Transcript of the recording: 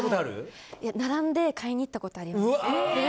並んで買いに行ったことあります。